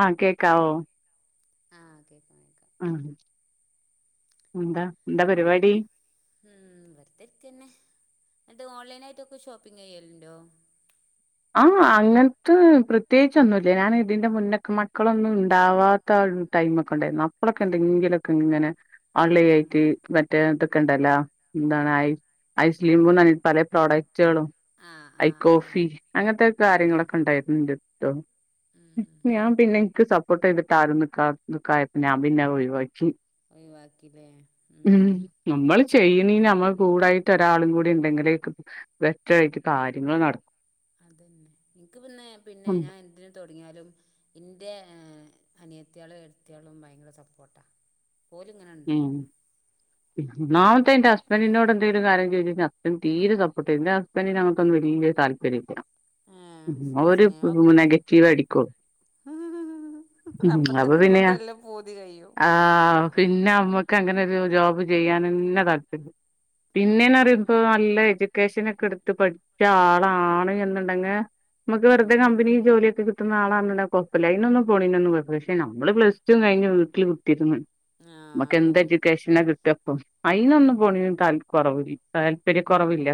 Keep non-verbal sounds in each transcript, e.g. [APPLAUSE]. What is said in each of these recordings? ആഹ് കേൾക്കാവോ ആഹ് കേൾക്കാം കേൾക്കാം ഉം എന്താ എന്താ പരിപാടി ഉം വെറുതെ ഇരിക്കല് തന്നെ എന്നിട്ട് ഓൺലൈൻ ആയിട്ടൊക്കെ ഷോപ്പിംഗ് ചെയ്യാലുണ്ടോ ആഹ് അങ്ങനത്തെ പ്രത്യേകിച്ചൊന്നുമില്ലേ ഞാൻ ഇതിന്റെ മുന്നക്ക മക്കളൊന്നും ഉണ്ടാവാ ത്ത ടൈമൊക്കെ ഉണ്ടായിരുന്നു അപ്പളൊക്കെ എന്തെങ്കിലൊക്കെ ഇങ്ങനെ ഓൺലൈൻ ആഹ് ആയിട്ട് മറ്റേ ഇതൊക്കണ്ടല്ല എന്താണ് ഐ ഐസ് ക്രീം പല പ്രോഡക്ട് കളും ആഹ് ഐ ആഹ് ആഹ് കോഫി അങ്ങനത്തെ ഉം ഉം കാര്യങ്ങളൊക്കെ ഉണ്ടായിരുന്നിട്ട് ഉണ്ട് ഉം ഞാൻ പിന്നെ എനിക്ക് സപ്പോർട്ട് ചെയ്തിട്ട് ആരും നിക തിക്കാതെ ആയപ്പോ ഞാൻ പിന്നെ ഒഴിവാക്കി ഒഴിവാക്കില്ലേ ഉം നമ്മള് ചെയ്യണ നമ്മൾ കൂടായിട്ട് ഒരാളും കൂടി ഉണ്ടെങ്കിലേക്ക് വെറ്റായിട്ട് കാര്യങ്ങൾ നടക്കും അതന്നെ നിനക്ക് പിന്നെ പിന്നെ ഉം ഞാൻ എന്തിന തുടങ്ങിയാലും ഇന്റെ അനിയത്തിയാളും എട്ടത്തിയാളും ഭയങ്കര സപ്പോർട്ടാ ഓലിങ്ങനെ ഉം ഉണ്ടാവും ഒന്നാമത്തെ എന്റെ ഹസ്ബൻഡിനൊട് എന്തങ്കലും കാര്യം ചോദിച്ചഴിഞ്ഞ ഹുസ്ബൻഡ് തീരെ സപ്പോർട്ട് പ്പനി അങ്ങക്കൊന്നും വലിയ താല്പര്യം ഏഹ് ഇല്ല ഒരു നെഗറ്റീവ് അടിക്കു ഉം അപ്പൊ തന്നെ പിന്നെ നമ്മുക്ക് എല്ലാം പുതി കഴിയും ആഹ് പിന്നെ അമ്മക്ക് അങ്ങനെരു ജോബ് ചെയ്യാനന്നെ താൽപ്പര്യം പിന്നെന്ന ഉം അറിയുമ്പൊ നല്ല എഡ്യൂക്കേഷൻ ഒക്കെ എടുത്ത് പഠിച്ച ആളാണ് എന്നുണ്ടെങ്കിൽ നമുക്ക് വെറതെ ഉം കമ്പനി ജോലിയൊക്കെ കി ട്ടുന്ന ആള് ആണ് എന്ന് ഉണ്ടെങ്കിൽ കോഴപ്പില്ല അതിനൊന്നും പോണെന്നൊന്നു കോഴപ്പില്ല പക്ഷ നമ്മള് പ്ലസ് ടു കിഴിഞ്ഞ് വീട്ടിൽ കുത്തിയിരുന്നു ആഹ് നമുക്ക് എന്ത് അതന്നെ എഡ്യൂക്കേഷനാ കിട്ടുക്കയിപ്പോ അതിനൊന്നും ഉം പോണ തായം കുറവില്ല താല്പര്യ കുറവില്ല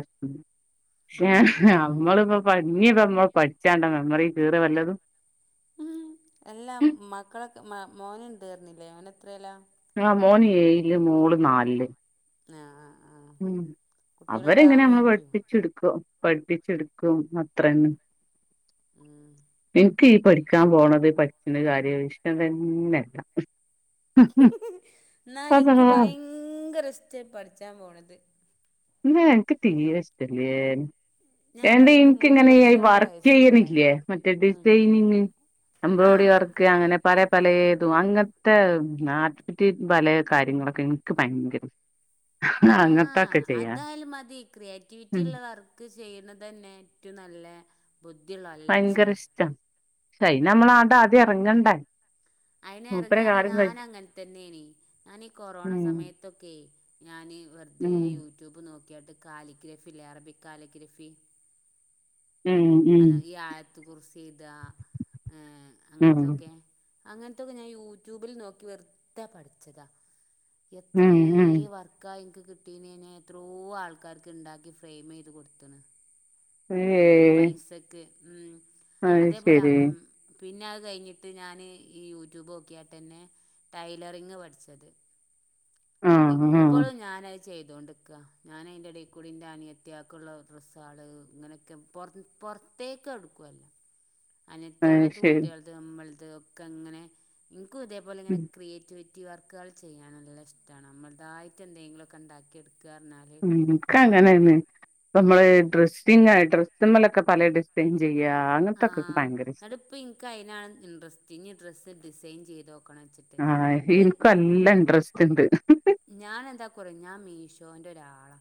ഉം ഉം ഉം നമ്മള ഇ പഞ്ഞിതന്നോ നമ്മൾ പഠിച്ചാണ്ടോ മെമ്മറി കേറോ വല്ലതും ഉം അല്ലാ മക്കളൊക്കെ മ മോനുണ്ടീർന്നില്ലേ അവൻ എത്രല്ല ആഹ് മോന് ഏഴില് മോള് നാലില് ആഹ് ആഹ് ആഹ് ഉം അവരെങ്ങനെ കുട്ടികളുണ്ടാവാൻ നമ്മള് വൈക്യോ പഠിപ്പിച്ചെടുക്കും പഠിപ്പിച്ചെടുക്കും അത്ര തന്നെ ഉം ഇൻക്ക് ഈ പഠിക്കാൻ പോണത് പഠിച്ചന്റെ കാര്യവും ഇഷ്ടം തന്നെല്ല എന്നാ അള്ളാ ഇനിക്ക് ഭയങ്കര ഇഷ്ട പഠിച്ചാൻ പോണത് ഏഹ് എനിക്ക് തിരെ ഇഷ്ടം അല്ലേ ഞാൻ എന്താ പറയും എനിക്ക് ഇങ്ങനെ മുപ്പത്തിരണ്ട് വർക്ക് വയസ്സൊക്കെ ആയി ചെയ്യണില്ലേ മറ്റേ ഉം ഡിസൈനിങ് എംബ്രോഡറി ആഹ് ആഹ് വർക്ക് ആഹ് അങ്ങനെ പല ആഹ് പല ഏതും അങ്ങനെ അങ്ങനത്തെ [UNINTELLIGIBLE] പലേ കാര്യങ്ങളൊക്കെ എനിക്ക് ഭയങ്കര ഇഷ്ട ആഹ് അങ്ങനത്തക്ക ആഹ് അതായാലും മതി ഈ ക്രിയേറ്റിവിറ്റിയുള്ള വർക്ക് ചെയ്യുന്നത് തന്നെ ഏറ്റവും നല്ല ബുദ്ധി ഉള്ള ആള് ഭയങ്കര ഇഷ്ട അയ്നമ്മളാണ്ടാദ്യം എറങ്ങണ്ടേ അയിന് എറങ്ങാറഞ്ഞ ഞാനങ്ങൻതന്നേനി ഞാനീ കൊറോണ ഉം സമയത്തൊക്കെ ഞാന് വെറുതെ ഉം യൂട്യൂബ് നോക്കിയാണ്ട് കാലിഗ്രാഫി അല്ലേ അറബിക് കാലിഗ്രഫി ഉം ഉം അത് ഈ ആയത്ത് കുറിസിയ്താ ഏഹ് ഉം അങ്ങൻത്തൊക്കെ അങ്ങൻത്തൊക്കെ ഞാൻ യൂട്യൂബിൽ നോക്കി വെർ തെ പഠിച്ചതാ എത്രേ ഉം ഉം വർ ക്കാ ഇൻക്ക് കിട്ടീനെന്നെ എത്രോ ആൾക്കാർക്ക്ണ്ടാക്കി ഫ്രയ്മെയ്ത് കൊട്ത്ത്ണ് ഇയേഹ് പൈസക്ക് ഉം അതേപോലെ ശരി ഉം പിന്നെ അത് കഴിഞ്ഞിട്ട് ഞാന് ഈ യൂട്യൂബ് നോക്കിയാട്ടെന്നെ ടൈലറിങ് പഠിച്ചത് ആഹ് ആഹ് ഇപ്പൊഴും ഞാനയ് ചെയ്തോണ്ട്ക്ക ഞാനയ്ന്റെടിക്കൂടി ന്റെ അനിയത്തിയാക്ക്ള്ള ഡ്രെസ്സാള് ഇങ്ങനെ ഒക്കെ പൊർത്ത് പൊർത്തേക്ക് എവ്ട്ക്കൊല്ല അത് അനിയത്തിയാളത് ശരി കുട്ടിയാളത് നമ്മൾത് ഒക്കങ്ങനെ ഇൻക്കും ഇതേപോലെ ഇങ്ങനെ ഉം ക്രിയേറ്റിവി റ്റി വർക്ക്ആൾ ചെയ്യാൻ നല്ല ഇഷ്ടമാണ് നമ്മളതായിട്ട് എന്തെങ്കിലും ഒക്കെ ണ്ടാക്കിയെട്ക്കറഞ്ഞാല് ഇൻക്കങ്ങനെണ് പ്പ മ്മള് ഡ്രസ്സിങ്ങായിട്ട് ഡ്രസ്മ്മലൊക്കെ പല ഡി സൈൻ ചെയ്യാ അങ്ങത്തൊക്കെക്ക് ഭയങ്കര ഇഷ്ട ക്ക് അയ്നാണ് ഇൻഡ്രസ്റ്റ് ഇനി ഡ്രസ്സ് ഡിസൈൻ ചെയ്തോക്കണച്ചിട്ട് ആഹ് ഇൻക്കു അല്ല ഇൻഡ്രസ്റ്റ്ണ്ട് ഞാൻ എന്താക്കു അറിയോ ഞാൻ മീഷോന്റെ ഒരാളാ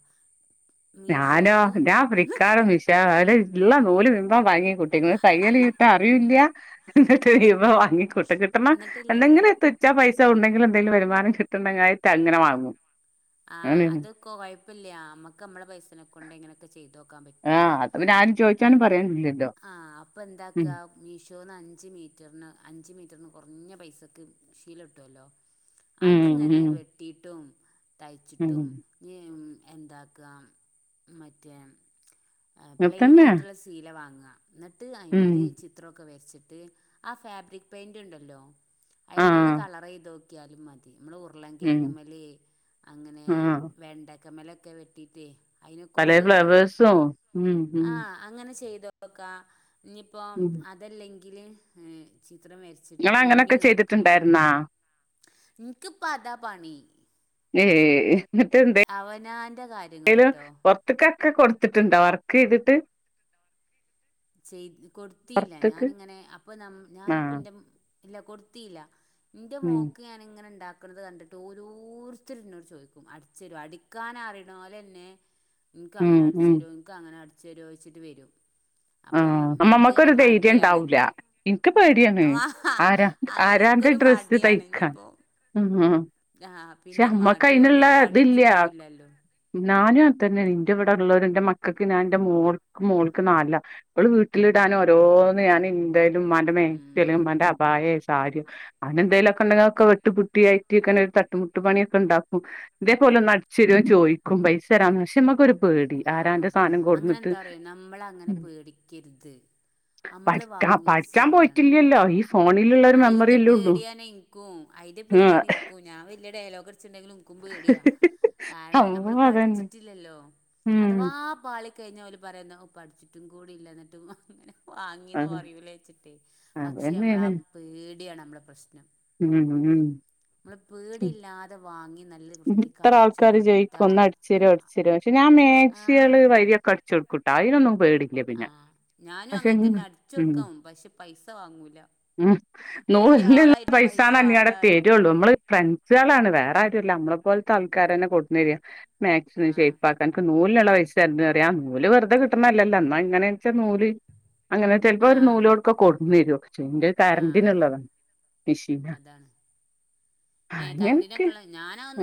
ഞാനോ ഞാൻ ഫ്ളിപ്കാർട് മിഷ് ഷോ ന്നാ അയ്ല് ഇള്ള നൂല് മുയ്വ്വം വാങ്ങിക്കൂട്ടി തയ്യല് റ്റെ അറിയൂല്ല ന്ന്ട്ട് യ് വം വാങ്ങിക്കൂട്ടും കിട്ടണ എന്നിട്ടില്ലേ എന്തെങ്കിലും ക് ച്ചാ പൈസ എവ്ട്ന്നെങ്കിലും എന്തെലും വരുമാനം കിട്ട്ണ്ടങ്ങെ അയേറ്റ് അങ്ങനെ വാങ്ങും ആഹ് അങ്ങനെയാണ് അത് കൊഴപ്പല്ല്യ അമ്മക്ക് അമ്മളെ പൈസനെകൊണ്ടെ ങ്ങനൊക്കെ ചെയ്തോക്കാൻ പറ്റൊള്ളു ആഹ് അത് പിന്നെ ആരും ചോയ് ച്ചാനും പറയാനും ഇല്ല ആഹ് അപ്പെന്താക്ക മീഷോന്ന് അഞ്ച് മീറ്റർ ന് അഞ്ച് മീറ്റർന് കൊറ് ഞ്ഞ പൈസക്ക് ശീലട്ടൊല്ലോ ഉം അത്ങ്ങനെ ഉം വെട്ടിട്ടും തയ്ച്ചിട്ടും ഉം ഞ് എം എന്താക്കാ മറ്റേ പ്ലെയ്ൻ അതന്നെ ആയിട്ടുള്ള സീല വാങ്ങ്അ ന്നട്ട് ഉം അയ്മെല് ചിത്രൊക്കെ വെര്ച്ച് ട്ട് ആ ഫാബ്രിക് പെയിന്റ്ണ്ടല്ലോ അയിനോണ്ട് ആഹ് കളറെയ്തോക്കിയാലും മതി നമ്മൾ ഉർ ഉർള്ളം ഉം കേങ്ങ്മ്മല് അങ്ങനെ ആഹ് വെണ്ടക്കമ്മലൊക്കെ വെട്ടിറ്റ് പലേ അയിനെകൊണ്ട് ഫ്ലവേഴ്സും ഉം ഉം ആഹ് അങ്ങനെ ചെയ്തോക്കാ ഇഞ്ഞിപ്പോ ഉം അതല്ലെങ്കില് ചിത്രം വെര്ച്ച് ങ്ങള് അങ്ങനെക്കെ ചെയ്തിട്ട്ണ്ടായിര്ന്നാ ഇൻക്ക്പ്പ അതാ പണി ഏഹ് ന്ന്ട്ട് അവനാന്റെ എന്തേലും കാര്യങ്ങള്ട്ടോ പൊർ ത്ത്കക്കെ കൊട്ത്ത്ട്ട്ണ്ടോ വർക്കെയ്ത്ട്ട് ചെയ്ത് കൊട്ത്തീല്ല പൊറത്ത്ക്ക് ഞാനിങ്ങനെ അപ്പ ന ഞാനിപ്പ ആഹ് ന്റെ ഇല്ല കൊട്ത്തീല്ല ന്റെ ഉം മോക്ക് ഞാൻ ന് ങ്ങനെ ണ്ടാക്ക്ണത് കണ്ടിട്ട് ഓരോരുത്തര് ന്നോട് ചോയിക്കും അടിച്ചെരോ അടിക്കാൻ അറിണോലെന്നെ ഉം ഇൻക്കങ്ങനെ ഉം അടിച്ചെരോ ഇൻക്കങ്ങനെ അടിച്ചെരോയ്ച്ച്ട്ട് വെരും ആഹ് അമ്മമ്മക്കൊരു ധൈര്യം മടിയാണ് ണ്ടാവൂല ഇൻക്ക് പേടിയാണ് ആ, ആരാ അതാണ് ആരാന്റെ എനിക്കൊരു ഡ്രെസ്സ് മടിയാണ് തയ്ക്കാൻ ഇനിയിപ്പോ ഉം ആഹ് ആഹ് പക്ഷെ പിന്നെ അമ്മക്ക് മടിയോണ് ഞാൻ പഠിച്ചിട്ടുംല്ലല്ലോ ണാനും അങ്ങ്ത്തന്നേണ് ഇന്റെ വ്ടെള്ളോര് ന്റെ മക്കൾക്ക് ഞാൻ ന്റെ മോൾക്ക് മോൾക്ക് ന്നാൽലാ ഓള് വീട്ടിലിടാൻ ഓരോന്ന് ഞാൻ ന്റെയാലും മ്മാന്റെ മേക്സി ഉം അല്ലങ്കി മ്മാന്റെ അബായെ സര്യോ അങ്ങനെന്തേലൊക്കെണ്ടെങ്കി അ ഒക്കെ വെട്ട്പുട്ടിയ അയ്റ്റിയൊക്കെ തട്ട ട്ടൂട്ട് പണിയൊക്കെണ്ടാക്കും. ഇതേപോലെ ഒന്ന് അടിച്ചെരോ ചോയിക്കും പൈസ തരാന്ന് പഷേ മ്മക്കൊരു ആഹ് അങ്ങെനെന്താറ്യാേ നമ്മള് അങ്ങെനെ ഉം പേടിക്കര്ത് അമ്മള് പഠിക്കാ വാങ്ങീട്ട് പഠിക്കാൻ ചെയ്യെണം പോയിട്ടില്ലല്ലോ ഈ ഫോണിലുള്ള ഒരു അയ്ന്റെ മെമ്മറിയല്ലേ ഉള്ളൂ പേട്യാണെ ക്കും അയ്ന്റെ ആഹ് പേട്യാണ് ഇന്ക്കും ഞാൻ വല്യ ഡയലോഗട്ച്ച്ണ്ടെങ്കിലും ൻക്കും പേട്യാ കാരണം ഞമ്മള് സംഭവം അതന്നെ പഠിച്ചിട്ടില്ലല്ലോ ഉം അഥവാ പാളിക്കയ്ഞ്ഞാ ഓല് പറയെന്താ ഔ പഠിച്ചിട്ടും കൂടി ഇല്ല ന്നിട്ട് മാങ്ങേ വാങ്ങീന്ന് അത് പറയൂലേച്ച്ട്ടേ പക്ഷെ അമ്മളാ അതന്നെയാണ് പേട്യാണ് അമ്മളെ പ്രശ്നം ഉം ഉം മ്മള് ഉം. പേടില്ലാതെ വാങ്ങി നല്ല വൃത്തിക്ക് അട്ച്ച് കൊട്ത്താ ട്ച്ചെരോ അട്ച്ചെരോച്ചും ക്ഷെ ഞാൻ മാക്സികള് വര്യറാെക്കെ അടിച്ചാെട്ക്കുട്ടാ അയ്നൊന്നും പേടി ആഹ് ഞാനും അങ്ങൻതന്നെ അടിച്ചാെട്ക്കും പക്ഷെ പൈസ വാങ്ങൂല ഉം വല്യ നൂല്ന്ള്ള ആളായിട്ട് പൈസ പൈസാന്നർഞ്ഞ്ക്കാണ്ടെ വേണ്ടാറിയും തെരാെള്ളൂ മ്മള് ഫ്രണ്ട്സ്കളാണ് വേറെ ആരുല്ലാ അമ്മളെ പോൽത്തെ ആൾക്കാരെന്നെ കൊട്ന്നെര മാക്സി ഒന്ന് ആഹ് ഷെയ്പാ ക്കൻക്ക് നൂൽന്ള്ളെ പൈസര്ണ്ട്റിം ആ നൂല് വെറ്തെ കിട്ട്ണല്ലല്ലാ ന്നാ ഇങ്ങെനെ പക്ഷേ നൂല് അങ്ങെനെ ചെൽപ്പോ ഒര് ആഹ് നൂലോട്ക്കെ കൊട്ന്നെരും ക്ഷെ ന്റെ ആഹ് കരണ്ടിന്ള്ളതാ മിഷീനാ അതാണ് ഏഹ് കരണ്ടിനൊക്കെള്ളെ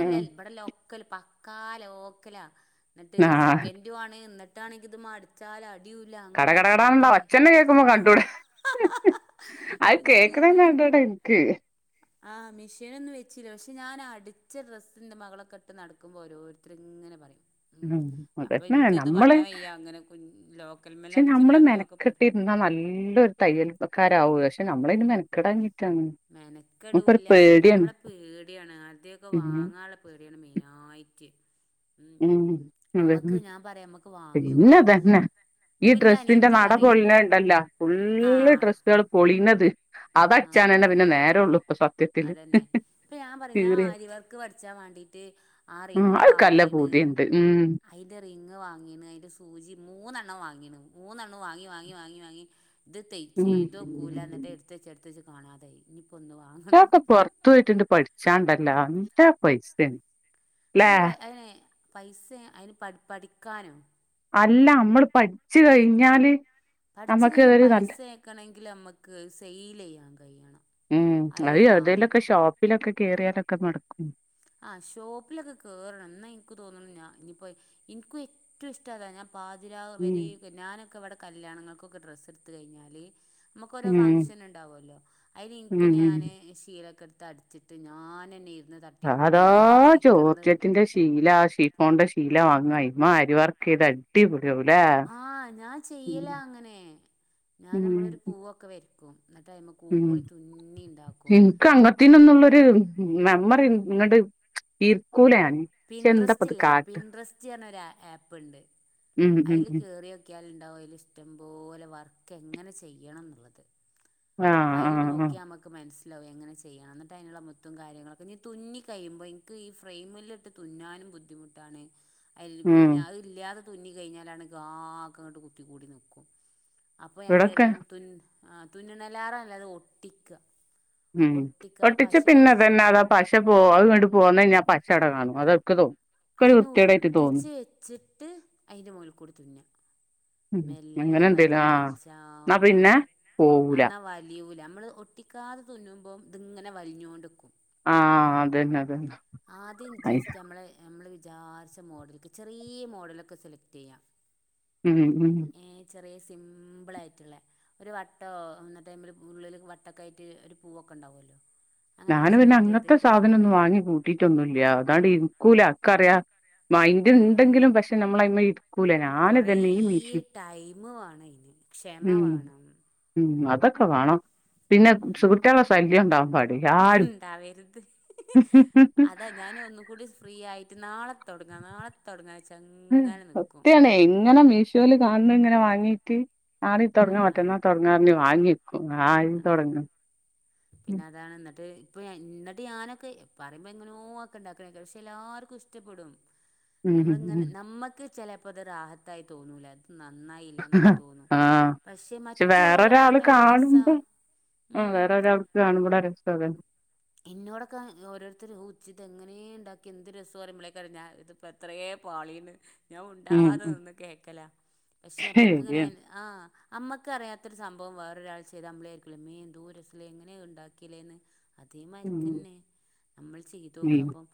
ഉം ബെടെ ലോക്കല് പക്കാ ലോക്കെലാ ന്നട്ട് ആ സെക്കെന്റു ആണ് ന്നട്ടാണെങ്കി ഇത് മട് ച്ചാല് അടിയൂലാ കട കട അങ്ങൻത്തെ കടാന്നുള്ള ന്നട്ടയ് ഒച്ചന്നെ കേക്കുമ്പോ കണ്ടൂടെ അത് കേക്ക്ണെന്നെ കണ്ടൂടാ ഇൻക്ക് ആഹ് മിഷീനൊന്നും വെച്ചില്ല പക്ഷെ ഞാനടിച്ച ഡ്രസ്സ് ന്റെ മകളൊക്കെട്ട് നടക്ക്മ്പോ ഓരോര് ത്തര്ങ്ങെനെ പറയും ഉം അപ്പം അതന്നെ ഇൻക്ക്ത് നമ്മള് പറയാൻ വയ്യാ ങ്ങെനെ കുൻ ലോക്കൽമലാ അട്ച്ച്ണ്ടാക്ക്യോക്കെ പെ ന്നാ നല്ലൊരു തയ്യൽക്കാരാവേ പക്ഷെ നമ്മളയ്ന് മെനെക്കെടാഞ്ഞി മെനെക്കെടൂല്ല പിന്നെ മ്മളെ പേട്യാണ് ആര്‌തേക്കെ ഉം വാങ്ങൻളെ പേട്യാണ് മെയിനായിട്ട് ഉം നമ്മക്ക് അതെന്നെ ഞാൻ പറയാ നമ്മക്ക് വാങ്ങി വെക്കാ പിന്നെതെന്നെ ഈ ഇപ്പ ഇന്റെ ഡ്രെസ്സിന്റെ അനിയത്തി നട പറയും പൊളീണണ്ടല്ലാ ഫുള്ള് ആഹ് ഡ്രെസ്സ്കള് പൊളീണെത് ആഹ് അതട്ചാനെന്നെ ആഹ് പിന്നെ നേരൊള്ളു പ്പ സത്യത്തില് അതന്നെ ഇപ്പൊ ഞാൻ പറയും ഞാൻ കീറ്യേ ആര്യവർക്ക് പഠിച്ചാൻ വേണ്ടീട്ട് ആ ഉം അത്കല്ലപൂതിണ്ട് ഉം അയ്ൻ്റെ റിങ്ങ് വാങ്ങീണ് അയ്ൻ്റെ സൂചി മൂന്നെണ്ണം വാങ്ങീണ് മൂന്നെണ്ണും വാങ്ങി വാങ്ങി വാങ്ങി വാങ്ങി ഇത് തെയ് ഉം ചെയ്തോകൂല ന്നെട്ട് എട്ത്തെച്ച് എട്ത്തെച്ച് കാണാതായി നിപ്പാെന്ന് വാ ഇയ്റ്റാളെക്ക പൊർത്ത് പോയിട്ട്ണ്ട് പഠിച്ചാണ്ടല്ലൊ ല്ല പൈസേണ് അല്ല പ അയ്ന് പൈസെ അയ്ന് പ പഠിക്കാനും അല്ല അമ്മള് പഠിച്ച് കഴിഞ്ഞാല് പഠിച്ച് നമ്മക്ക് കഴിഞ്ഞാ ഒരു നല്ല പൈസേക്കെണെങ്കിലമ്മക്ക് സെയിലെയ്യാം കയ്യണം ഉം അത് എവ്തേലൊക്കെ പ്പിലൊക്കെ കേറ്യാലൊക്കെ നടക്കും ആഹ് ഷോപ്പിലൊക്കെ കേറണം ന്നാ ഇൻക്ക് തോന്നുണു ഞാ ഇനിപ്പോ ഇൻക്കും എറ്റും ഇഷ്ട അതാ ഞാം പാതിരാവ് ഉം വെരെക്കെ ഞാനൊക്കെ വടെ കല്യാണങ്ങൾക്കൊക്കെ ഡ്രസ്സ്ട്ത്ത് കയ്ഞ്ഞാല് മ്മക്കാേരോ ഉം ഫംഗ്ഷന്ണ്ടാവാേല്ലോ അയ്ന് ഉം ഇൻക്കെന്നെ ഉം ഞാന് ശീലൊക്കെട്ത്ത് അട്ച്ച് ത് ഞാനെന്നെ ഇര്ന്ന് ത സാധാ ജോർജെറ്റിന്റെ ഷി ശീലാ ഷിഫോൺന്റെ ശീല വാങ്ങാ അയ്മെ ആരി വർക്കെയ്ത് അട് ടീ പൊളിയാവുലേ ആഹ് ഞാൻ ചെയ്യെലാ അങ്ങെനെ ഞാൻ നമ്മളൊരു ഉം പൂവാെ ക്കെ വെര്ക്കും ന്നട്ട്യ്മകൂടി തുന്നിണ്ടാക്കും ക്കങ്ങത്തിനൊന്നുള്ളൊരു മെമ്മറി ങ്ങെട് ഇര്ക്കൂല ഞാന് പക്ഷെ എന്താപ്പത് പിണ്ട്രെസ്റ്റില്ലേ കാട്ട പിണ്ട്രെസ്റ്റ് അർഞ്ഞൊരാ അപ്പ്ണ്ട് ഉം ഉം അയ്ല് ഉം കേറിയോക്ക്യാല്ണ്ടാവും അയ്‌ലിഷ്ടംപോലെ വർക്കെങ്ങെനെ ചെയ്യണം ന്ന്ള്ളത് ആഹ് അപ്പയ്ല് ആഹ് നോ ആഹ് ക്കിയാ നമ്മക്ക് മനസ്സിലാവും എങ്ങനെ ചെയ്യണം എന്നിട്ട് അതിനുള്ള മുത്തും കാര്യങ്ങളൊക്കെ ഇനി തുന്നി കയ്യുമ്പോ ഇ പ്പോ ഈ ഫ്രെയിമിലിട്ട് തുന്നാനും ബുദ്ധിമുട്ടാണ് അതി ഉം പിന്നെ അതില്ലാതെ തുന്നി കഴിഞ്ഞാലാണ് ആകങ്ങട്ട് കുത്തിക്കൂടി നിക്കും അപ്പൊ ഞാൻ ഇവിടൊക്കെ വിചാരിക്കും തുൻ ആ തുന്നണാലാറ നല്ലത് ഒട്ടിക്കുക ഉം ഒട്ടിക്കുക ആ ഒട്ടിച്ച പശ വെച്ച് പിന്നത് തന്നെയാ അത് പശ പോവും അതങ്ങണ്ട് പോന്ന് കഴിഞ്ഞാ ആഹ് പശ അവിടെ കാണും അതൊക്കെ തോ അതിന്‌ അത് ഒട്ടിച്ച് വെച്ചിട്ട് അതിന്റെ മോളിക്കൂടെ തുന്നാം ഉം അങ്ങനെ മെല്ലെ വൽ എന്തേലും ആഹ് എന്നാ പിന്നെ വലിച്ചാതെ പോവൂല ആന്നാ വ വലിയൂല നമ്മള് ഒട്ടിക്കാതെ തുന്നുമ്പോ ഇതിങ്ങനെ വലിഞ്ഞോണ്ടിക്കും ആഹ് അത് തന്നെ അത് തന്നെ ആദ്യം ജസ്റ്റ് നമ്മളെ നമ്മള് വിചാരിച്ച മോഡൽക്ക് ചെറീയ മോഡലൊക്കെ സെലക്ട് ചെയ്യാം ഉം ഉം ഏ ചെറിയ സിമ്പിളായിട്ടൊള്ളെ ഒരു വട്ടവൊ എന്നിട്ട് അയ്മേല് ഉള്ളില് വട്ടവൊക്കായിട്ട് ഒരു പൂവൊക്കെ ഉണ്ടാവൂല്ലോ ഞാന് പിന്നെ അങ്ങനത്തെ സാധനവൊന്നും വാങ്ങിക്കൂട്ടിട്ടൊന്നുല്ല അതാണ്ട് ഇരിക്കൂല എക്കറിയാം മൈന്റ് ആ ഉണ്ടെങ്കിലും പക്ഷെ നമ്മള് അയ്മേൽ ഇരി കൊറേ ടൈമ് വേണം അയ്ന് ക്ഷമ ഉം വേണം ഉം അതൊക്കെ വേണം പിന്നെ ഉം സുഹൃത്തുക്കളുടെ ശല്യം ഉണ്ടാവാൻ പാടില്ല ആരും ഉണ്ടാവരുത് അതാ ഞാനും ഒന്നും കൂടി ഫ്രീ ആയിട്ട് നാളെ തൊടങ്ങാം നാളെ തൊടങ്ങാ വച്ചാ അങ്ങ് ഉം സത്യാവാണേ എങ്ങനെ മീ ഷോല് കാണുന്നതങ്ങനെ വാങ്ങീട്ട് നാളെ ആ തൊടങ്ങാ മറ്റന്നാ തൊടങ്ങാന്ന് പറഞ്ഞ് വാങ്ങി വക്കും ആ [UNINTELLIGIBLE] തൊടങ്ങാം പിന്നെ അതാണ് എന്നിട്ട് ഇപ്പൊ എന്നിട്ട് ഞാനൊക്കെ പറയുമ്പോ എങ്ങനോ ഒക്കെ ഉണ്ടാക്കണ് ഗൾഫിൽ എല്ലർക്കും ഇഷ് ഷ്ടപ്പെടും ഉം നമ്മളങ്ങനെ ഉം നമ്മക്ക് ചെലപ്പോ അത് റാഹത്തായി തോന്നൂല അത് നന്നായില്ലാന്നൊക്കെ തോന്നും ആഹ് പക്ഷെ മറ്റുള്ളോരുടെ കണ്ണിലത് രസവാ ആഹ് വേറെ ഒരാളുടെ അടുത്ത് കാണുമ്പളാ രസവ അത് ഇന്നോടൊക്കെ ഓരോരുത്തര് ഓ ജ്ജ് ഇതെങ്ങനേ ഉണ്ടാക്കി എന്ത് രസവാ പറയുമ്പളേക്കാരം ഞാൻ ഇതിപ്പോ ഇത്രയേ പാളീന്ന് ഞാൻ ഉം മുണ്ടാതെ ഉം നിന്ന് കേൾക്കല പക്ഷെ അപ്പൊക്ക് ഇങ്ങനെ ശരിയാണ് തന്നെ ആഹ് അമ്മക്കറിയാത്തൊരു സംഭവം വേറൊരാള് ചെയ്താ നമ്മളെ അല്ലമ്മേ എന്തോ രസ്സവല്ലേ എങ്ങനേ അത് ഉണ്ടാക്കിയല്ലേന്ന് അതേ ഉം മാതിരിക്കന്നെ നമ്മൾ ചെയ്ത് നോക്കുക ഉം അപ്പം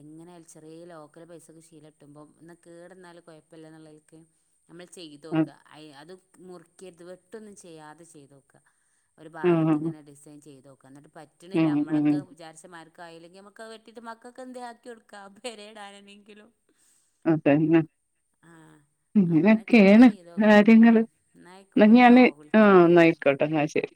എങ്ങനായാലും ചെറീയ ലോക്കൽ പൈസക്ക് ശീല കിട്ടുമ്പം എന്ന കേട് വന്നാലും കൊയപ്പവില്ല എന്നുള്ള നിലക്ക് നമ്മള് ചെയ്ത് ആ നോക്കുക അയ് അത് മുറിക്കരുത് വെട്ടുവൊന്നും ചെയ്യാതെ ചെയ്ത് നോക്കുക ഒരു ഭാഗത്ത് ഇങ്ങനെ ഡിസൈൻ ചെയ്ത് നോക്കുക എന്നിട്ട് പറ്റണില്ല ഉം ഉം നമ്മളൊക്കെ വിചാരിച്ച മാതിരി ക്കായില്ലെങ്കിൽ നമ്മുക്കത് വെട്ടീട്ട് മക്കൊക്കെന്തേലും ആക്കി കൊടുക്കാം പെരേടാനെങ്കിലും അത് തന്നെ അങ്ങനൊക്കെ എന്തേ ഇങ്ങനൊക്കയാണ് ചെയ്ത് നോക്കാം ഉം കാര്യങ്ങള് എന്നാ ആയിക്കോട്ടെട്ടോ ഞാന് ആ വിളിക്കാം എന്നാ ആയി ക്കോട്ടേ എന്നാ ശരി